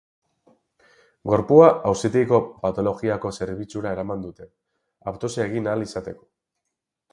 Gorpua auzitegiko patologiako zerbitzura eraman dute, autopsia egin ahal izateko.